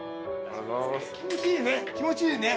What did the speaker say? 気持ちいいね。